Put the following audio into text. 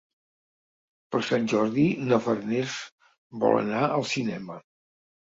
Per Sant Jordi na Farners vol anar al cinema.